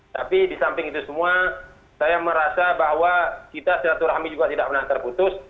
tapi di samping itu semua saya merasa bahwa kita silaturahmi juga tidak pernah terputus